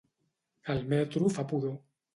El metro fa pudor.